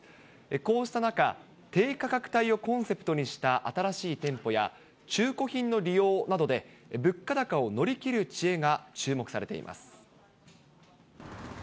こうした中、低価格帯をコンセプトにした新しい店舗や、中古品の利用などで、物価高を乗り切る知恵が注目されています。